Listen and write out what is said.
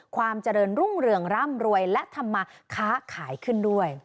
ความเจริญรุ่งเรืองร่ำรวยและทำมาค้าขายขึ้นด้วย